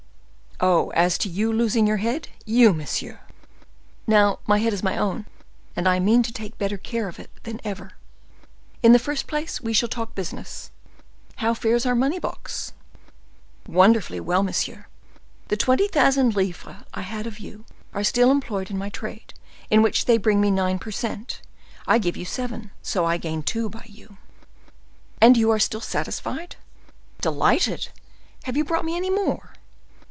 "Oh, as to you losing your head—you, monsieur!" "Now my head is my own, and I mean to take better care of it than ever. In the first place we shall talk business. How fares our money box?" "Wonderfully well, monsieur. The twenty thousand livres I had of you are still employed in my trade, in which they bring me nine per cent. I give you seven, so I gain two by you." "And you are still satisfied?" "Delighted. Have you brought me any more?"